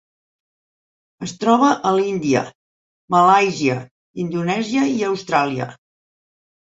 Es troba a l'Índia, Malàisia, Indonèsia i Austràlia.